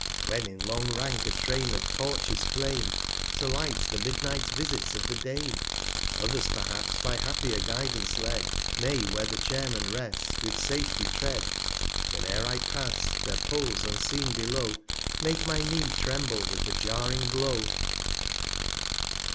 When in long Rank a Train of Torches flame, To light the Midnight Visits of the Dame ? 160 Others, perhaps, by happier Guidance led, May where the Chairman rests, with Safety tread ; Mhene'er I pass, their Poles unseen below, ake my Knee tremble with the jarring Blow.